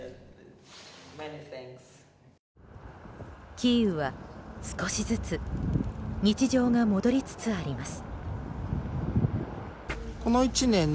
キーウは少しずつ日常が戻りつつあります。